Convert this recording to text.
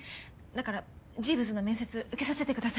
だからジーヴズの面接受けさせてください